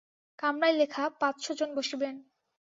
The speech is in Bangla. কামরায় লেখা পাঁচশ জন বসিবেন।